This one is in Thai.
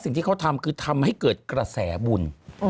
สิ่งที่เขาทำคือทำให้เกิดกระแสบุญ